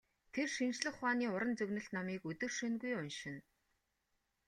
Тэр шинжлэх ухааны уран зөгнөлт номыг өдөр шөнөгүй уншина.